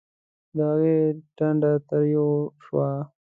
د هغې ټنډه تروه شوه